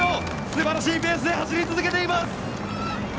素晴らしいペースで走り続けています。